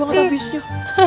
cepet banget abisnya